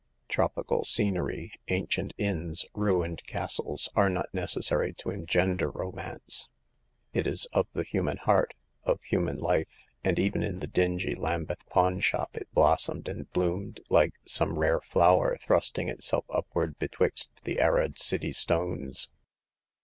Tropical scenery, ancient inns, ruined castles, are not necessary to engen der romance. It is of the human heart, of human life ; and even in the dingy Lambeth pawn shop it blossomed and bloomed like some rare flower thrusting itself upward betwixt the arid city stones.